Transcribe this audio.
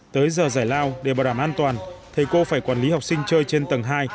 tới giờ giải lao để bảo đảm an toàn thầy cô phải quản lý học sinh chơi trên tầng hai